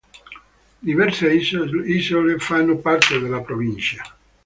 Diverse isole fanno parte della provincia.